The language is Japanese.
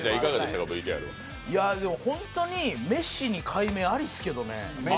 本当にメシに改名ありっすけどね。